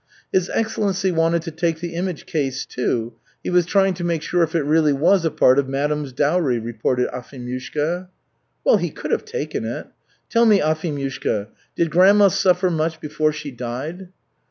"His Excellency wanted to take the image case, too. He was trying to make sure if it really was a part of madam's dowry," reported Afimyushka. "Well, he could have taken it. Tell me, Afimyushka, did grandma suffer much before she died?"